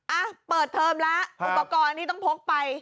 อ่ะเปิดเทอมแล้วอุปกรณ์ที่ต้องพกไป